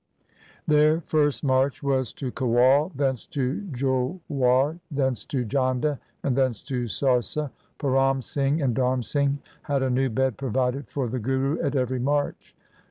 Their first march was to Kewal, thence to Jhorar, thence to Jhanda, and thence to Sarsa. Param Singh and Dharm Singh had a new bed provided for the Guru at every march.